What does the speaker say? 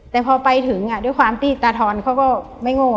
แต่พอไปถึงอะด้วยความตีดตาถอนเขาก็ไม่โง่อะเนาะ